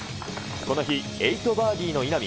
この日、８バーディーの稲見。